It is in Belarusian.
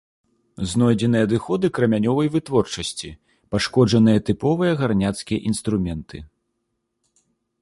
Знойдзены адыходы крамянёвай вытворчасці, пашкоджаныя тыповыя гарняцкія інструменты.